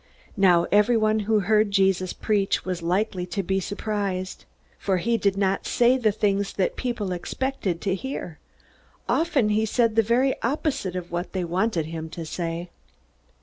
Now everyone who heard Jesus preach was likely to be surprised. For he did not say the things that people expected to hear. Often he said the very opposite of what they wanted him to say.